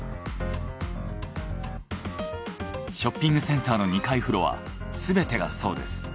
ショッピングセンターの２階フロアすべてがそうです。